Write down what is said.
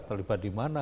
terlibat di mana